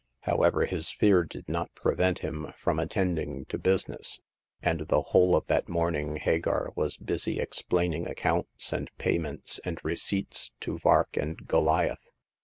However, his fear did not prevent him from at tending to business ; and the whole of that morn ing Hagar was busy explaining accounts and payments and receipts to Vark and Goliath.